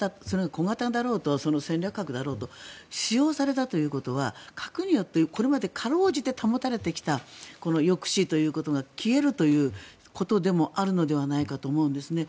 それが小型だろうと戦略核だろうと使用されたということは核によってこれまでかろうじて保たれてきた抑止が消えるということでもあるのではないかと思うんです。